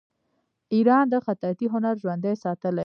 ایران د خطاطۍ هنر ژوندی ساتلی.